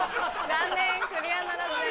残念クリアならずです。